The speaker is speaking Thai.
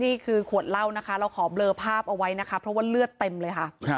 นี่คือขวดเหล้านะคะเราขอเบลอภาพเอาไว้นะคะเพราะว่าเลือดเต็มเลยค่ะ